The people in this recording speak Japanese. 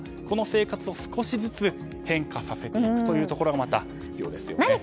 この生活を少しずつ変化させていくということが必要ですよね。